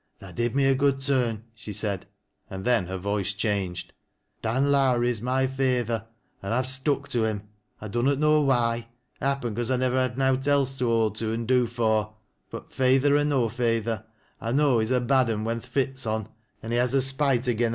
"Tha did me a good turn," she said. And tJien hci foice changed. "Dan Lowrie's my feyther, an' I've stuck to him, I dunnot know why — happen cause I never haij nofli, else to hold to and do for ; but feyther or no f eythoi £ know he's a bad un when th' fit's on an' he has a spite ftgen a mon.